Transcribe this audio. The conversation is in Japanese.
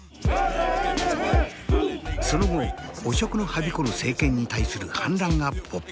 その後汚職のはびこる政権に対する反乱が勃発３６年続く。